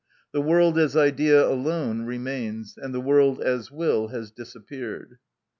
The world as idea alone remains, and the world as will has disappeared.